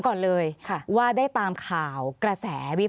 ขอบคุณครับ